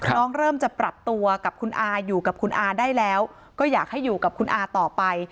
เริ่มจะปรับตัวกับคุณอาอยู่กับคุณอาได้แล้วก็อยากให้อยู่กับคุณอาต่อไป